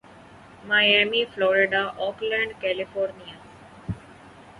Miami Florida Oakland California